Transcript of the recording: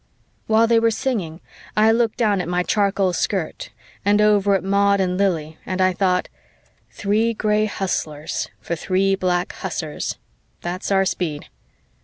_" While they were singing, I looked down at my charcoal skirt and over at Maud and Lili and I thought, "Three gray hustlers for three black hussars, that's our speed."